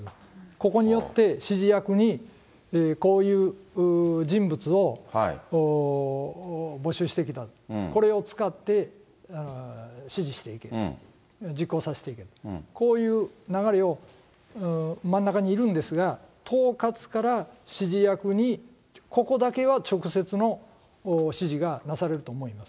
ここによって、指示役にこういう人物を募集してきた、これを使って指示していく、実行させていけ、こういう流れを真ん中にいるんですが、統括から指示役に、ここだけは直接の指示がなされると思います。